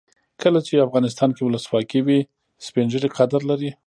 کله چې افغانستان کې ولسواکي وي سپین ږیري قدر لري.